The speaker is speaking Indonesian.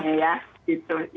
tergantung tadi sebenarnya ya